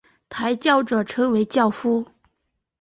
抬轿者称为轿夫。